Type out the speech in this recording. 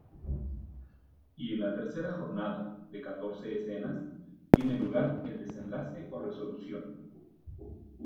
Y en la tercera jornada, de catorce escenas, tiene lugar el desenlace o resolución.